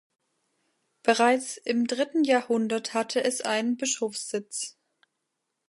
Bereits im dritten Jahrhundert hatte es einen Bischofssitz.